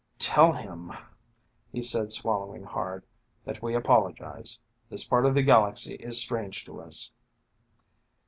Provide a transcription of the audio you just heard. "Tell him," he said, swallowing hard, "that we apologize. This part of the galaxy is strange to us."